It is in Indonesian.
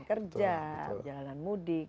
kerja perjalanan mudik